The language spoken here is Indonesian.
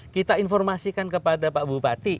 kita informasikan kepada pak bupati